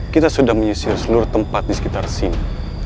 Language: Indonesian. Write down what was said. kita sudah menyisir seluruh tempat di sekitar sini